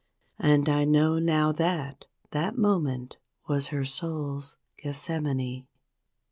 And I know now that that moment was her souks Gethsemane!